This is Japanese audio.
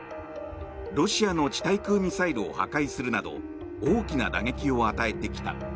ロシアの地対空ミサイルを破壊するなど大きな打撃を与えてきた。